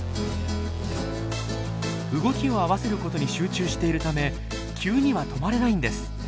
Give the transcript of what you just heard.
動きを合わせることに集中しているため急には止まれないんです。